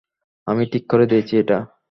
আমি ঠিক করে দিয়েছি এটা।